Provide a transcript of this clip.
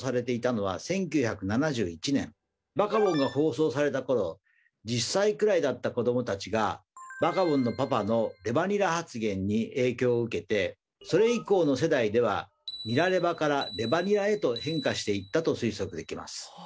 「バカボン」が放送された頃１０歳くらいだった子どもたちがバカボンのパパのレバニラ発言に影響を受けてそれ以降の世代では「ニラレバ」から「レバニラ」へと変化していったと推測できます。